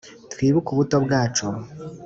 twibuke ubuto bwacu